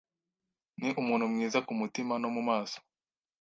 Ni umuntu mwiza kumutima no mu maso.